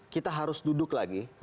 kita harus duduk lagi